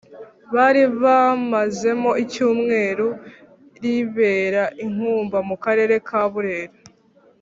bari bamazemo icyumweru, ribera i nkumba mu karere ka burera.